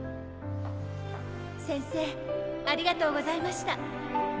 せんせいありがとうございました。